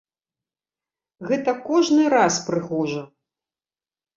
Гэта кожны раз прыгожа!